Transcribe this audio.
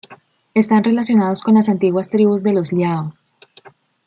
Están relacionados con las antiguas tribus de los liao.